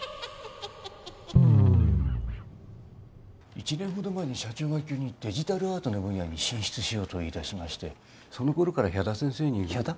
１年ほど前に社長が急にデジタルアートの分野に進出しようと言いだしましてその頃からヒャダ先生にヒャダ？